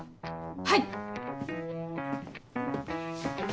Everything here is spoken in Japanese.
はい！